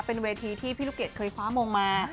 เป็นเวทีที่พี่ลูกเกดเคยคว้ามงมา